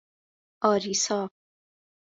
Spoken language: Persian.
آریسا